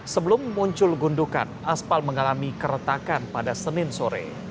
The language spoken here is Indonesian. sebelum muncul gundukan aspal mengalami keretakan pada senin sore